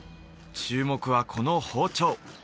注目はこの包丁！